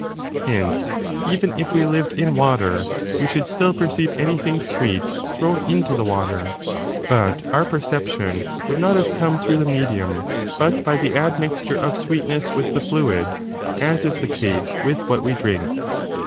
Hence, even if we lived in water, medium. we should still perceive anything sweet thrown into the water, but our perception would not have come through the 2 medium, but by the admixture of sweetness with the fluid, as is the case with what we drink.